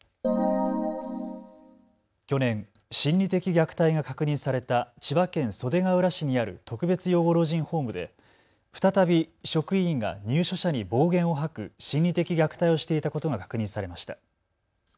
去年、心理的虐待が確認された千葉県袖ケ浦市にある特別養護老人ホームで再び職員が入所者に暴言を吐く心理的虐待をしていたことが確認されました。